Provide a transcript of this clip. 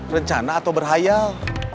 rencana atau berhayal